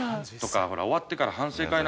ほら終わってから反省会で。